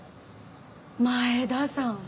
「前田さん」